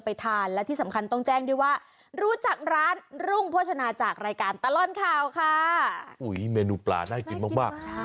เป็นรองทานกระดูกนะครับ